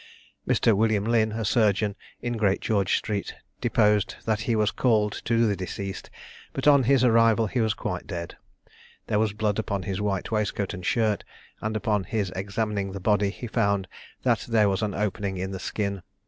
Mr. William Lynn, a surgeon in Great George street, deposed that he was called to the deceased, but on his arrival he was quite dead. There was blood upon his white waistcoat and shirt; and upon his examining the body, he found that there was an opening in the skin.